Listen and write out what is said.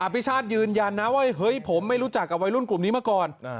พี่ชาติยืนยันนะว่าเฮ้ยผมไม่รู้จักกับวัยรุ่นกลุ่มนี้มาก่อน